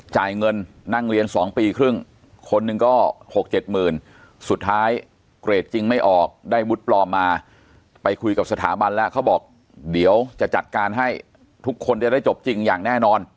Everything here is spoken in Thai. จ่ายเงินนั่งเรียน๒ปีครึ่งคนหนึ่งก็๖๗หมื่นสุดท้ายเกรดจริงไม่ออกได้วุฒิปลอมมาไปคุยกับสถาบันแล้วเขาบอกเดี๋ยวจะจัดการให้ทุกคนจะได้จบจริงอย่างแน่นอน